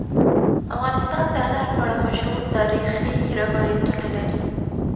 افغانستان د انار په اړه مشهور تاریخی روایتونه لري.